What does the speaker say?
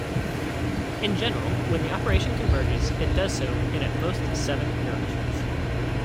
In general, when the operation converges it does so in at most seven iterations.